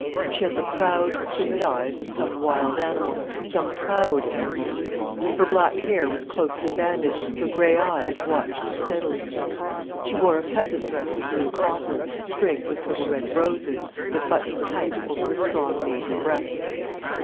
She had the proud, timid eyes of some wild animal, some proud animal. Her black hair was closely banded, her grey eyes watched steadily. She wore a peasant dress of blue cotton sprigged with little red roses, that buttoned tight over her strong maiden breasts.